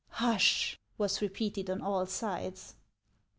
" Hush !" was repeated on all sides.